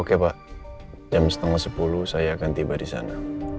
oke pak jam setengah sepuluh saya akan tiba disana